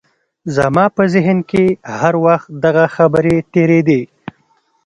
زما په ذهن کې هر وخت دغه خبرې تېرېدې